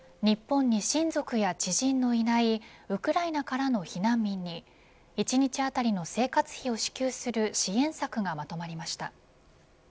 日本に親族や知人のいないウクライナからの避難民に、一日当たりの生活費を支給する支援策がまとまりました。